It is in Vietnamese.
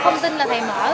không tin là thầy mở